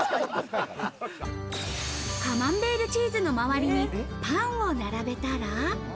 カマンベールチーズの周りにパンを並べたら。